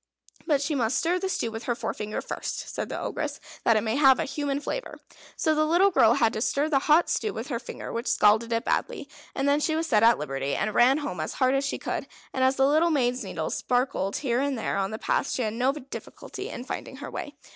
"But she must stir the stew with her forefinger first," said the Ogress, "that it may have a human flavour." So the little girl had to stir the hot stew with her finger, which scalded it badly; and then she was set at liberty, and ran home as hard as she could; and as the little maid's needles sparkled here and there on the path, she had no difficulty in finding her way.